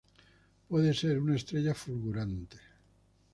Puede ser una estrella fulgurante.